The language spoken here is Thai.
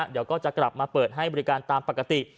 เดี๋ยวก็จะกลับมาเปิดให้บริการตามปกติ